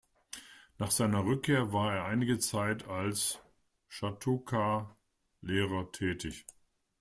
Nach seiner Rückkehr war er einige Zeit als Chautauqua-Lehrer tätig.